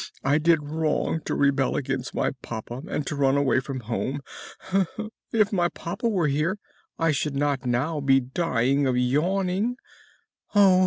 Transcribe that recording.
I did wrong to rebel against my papa and to run away from home. If my papa were here I should not now be dying of yawning! Oh!